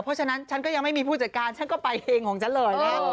เพราะฉะนั้นฉันก็ยังไม่มีผู้จัดการฉันก็ไปเพลงของฉันเลยนะ